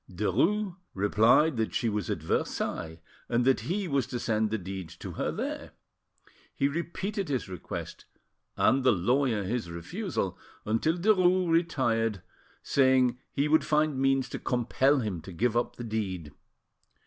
Derues replied that she was at Versailles, and that he was to send the deed to her there. He repeated his request and the lawyer his refusal, until Derues retired, saying he would find means to compel him to give up the deed.